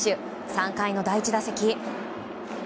３回の第１打席。